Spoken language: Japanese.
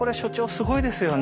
すごいですよね。